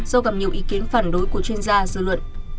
do gặp nhiều ý kiến phản đối của chuyên gia dư luận